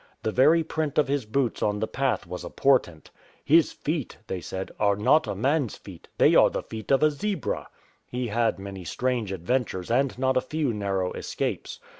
The very print of his boots on the path was a portent. " His feet,'' they said, " are not a man's feet ; they are the feet of a zebra." He had many strange adventures and not a few narrow escapes.